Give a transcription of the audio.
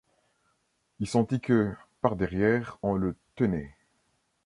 Il sentit que par derrière on le tenait.